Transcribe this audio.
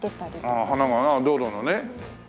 ああ花がな道路のね。